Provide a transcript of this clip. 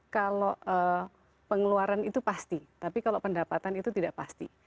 kalau pengeluaran itu pasti tapi kalau pendapatan itu tidak pasti